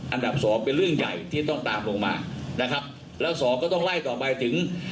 อันดับสองเป็นเรื่องใหญ่ที่ต้องตามลงมานะครับแล้วสองก็ต้องไล่ต่อไปถึง